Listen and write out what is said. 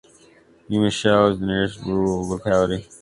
Umashaul is the nearest rural locality.